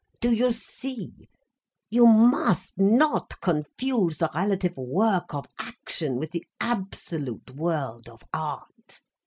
Do you see, you must not confuse the relative work of action, with the absolute world of art.